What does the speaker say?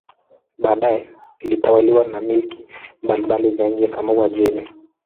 Baadaye ilitawaliwa na milki mbalimbali za nje kama Uajemi.